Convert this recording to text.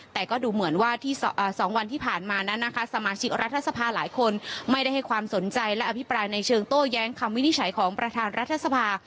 แต่ก็ดูเหมือนว่าที่๒วันที่ผ่านมานั้นนะคะสมาชิกรัฐสภาหลายคนไม่ได้ให้ความสนใจและอภิปรายในเชิงโต้แย้งคำวินิจฉัยของประธานรัฐสภา